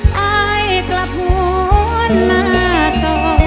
อายกลับหวนมาต่อ